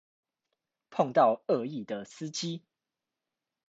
碰到惡意的司機